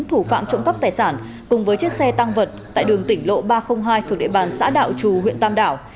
thủ phạm trộm cắp tài sản cùng với chiếc xe tăng vật tại đường tỉnh lộ ba trăm linh hai thuộc địa bàn xã đạo trù huyện tam đảo